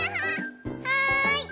はい。